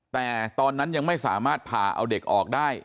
แต่ตอนนั้นยังไม่สามารถผ่าเอาเด็กออกได้